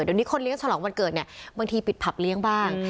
เดี๋ยวนี้คนเลี้ยฉลองวันเกิดเนี่ยบางทีปิดผับเลี้ยงบ้าง